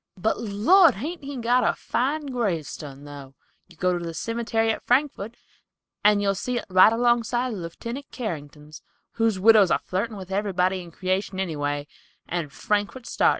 But, Lord, hain't he got a fine gravestun, though! You go to the cimetery at Frankford, and you'll see it right along side of Leftenant Carrington's, whose widow's a flirtin' with everybody in creation anyway, and Frankford sartin."